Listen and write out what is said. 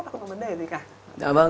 không có vấn đề gì cả